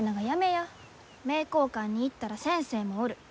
名教館に行ったら先生もおる。